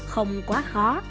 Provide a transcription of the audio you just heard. không quá khó